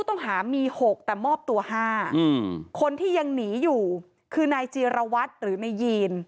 ต้องหามี๖แต่มอบตัว๕คนที่ยังหนีอยู่คือนายจีรวัตรหรือนายยีน